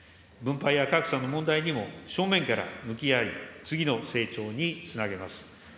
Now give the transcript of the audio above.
分配や格差の問題にも正面から向き合い、次の成長につなげます。